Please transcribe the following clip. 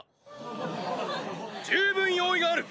十分用意がある。